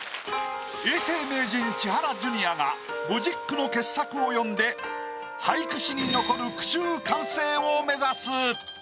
永世名人千原ジュニアが５０句の傑作を詠んで俳句史に残る句集完成を目指す。